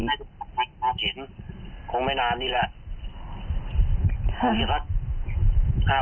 ความเห็นคงไม่นานนี่แหละ